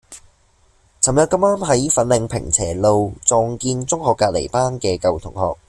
噚日咁啱喺粉嶺坪輋路撞見中學隔離班嘅舊同學